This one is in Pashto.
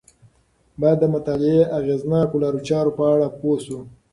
باید د مطالعې د اغیزناکو لارو چارو په اړه پوه شو.